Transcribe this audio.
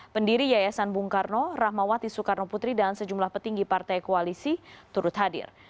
pendiri yayasan bung karno rahmawati soekarno putri dan sejumlah petinggi partai koalisi turut hadir